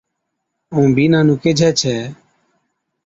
ائُون بِينڏا نُون ڪيهجَي ڇَي